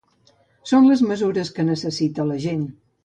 Són les mesures que necessita la gent.